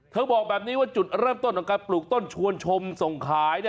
บอกแบบนี้ว่าจุดเริ่มต้นของการปลูกต้นชวนชมส่งขาย